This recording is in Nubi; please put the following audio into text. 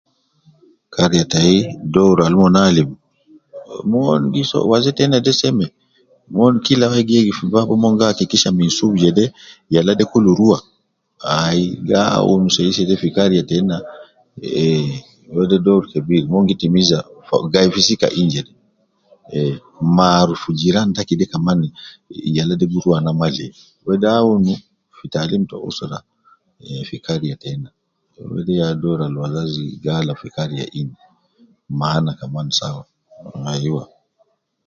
Kariya tai doru al mon alim, mon gi soo waze tena de seme ,min kila wai gi yegif fi bab mon gi akikisha minsub jede yala de kulu rua ,ai gi awun sei sei de fi kariya tena, eh ,wede doru kebir mon gi timiza fi gai fi sika in jede eh, ma aruf jiran taki de kaman yala de gi rua na ma le, wede awun fi taalim te usra, eh fi kariya tena, wede ya doru ab wazazi gi alab fi kariya in, ma ana kaman sawa, ai wa